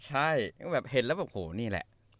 ใช่ก็แบบเห็นแล้วแบบโหนี่แหละ